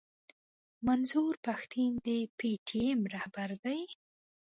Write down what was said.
منظور پښتين د پي ټي ايم راهبر دی.